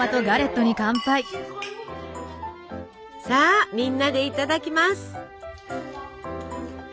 さあみんなでいただきます！